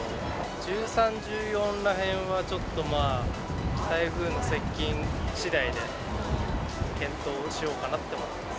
１３、１４らへんはちょっとまあ、台風の接近しだいで検討しようかなって思ってます。